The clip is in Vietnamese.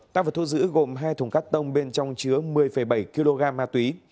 ta vừa thu giữ gồm hai thùng cắt tông bên trong chứa một mươi bảy kg ma túy